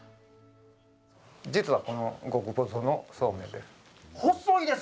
実はこの極細のそうめんです。